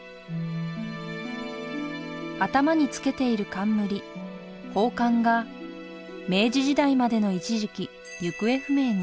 頭につけている冠宝冠が明治時代までの一時期行方不明に。